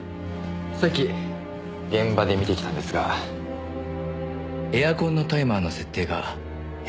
さっき現場で見てきたんですがエアコンのタイマーの設定が変だったんですよ。